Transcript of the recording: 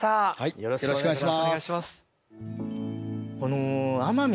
よろしくお願いします。